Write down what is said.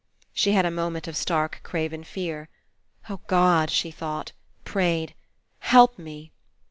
She had a moment of stark craven fear. *'0h God," she thought, prayed, "help me."